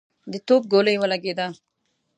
د توپ ګولۍ ولګېده.